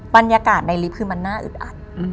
บรรยากาศในลิฟต์คือมันน่าอึดอัด